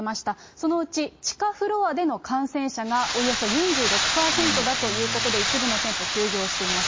そのうち、地下フロアでの感染者がおよそ４６％だということで、一部の店舗、休業しています。